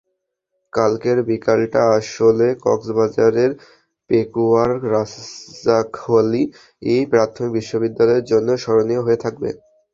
কালকের বিকেলটা আসলে কক্সবাজারের পেকুয়ার রাজাখালী প্রাথমিক বিদ্যালয়ের জন্যও স্মরণীয় হয়ে থাকবে।